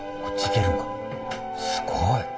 すごい！